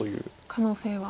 可能性は。